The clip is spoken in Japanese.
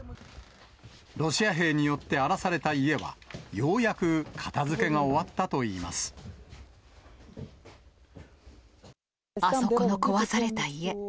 ロシア兵によって荒らされた家は、ようやく片づけが終わったといいあそこの壊された家。